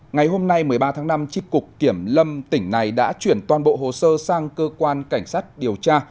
ngày hôm nay một mươi ba tháng năm chip cục kiểm lâm tỉnh này đã chuyển toàn bộ hồ sơ sang cơ quan cảnh sát điều tra